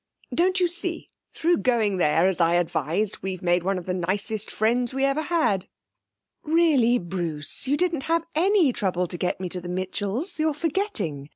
Don't you see, through going there, as I advised, we've made one of the nicest friends we ever had.' 'Really, Bruce, you didn't have any trouble to get me to go to the Mitchells; you're forgetting.